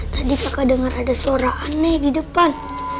tadi kakak denger ada suara aneh di depan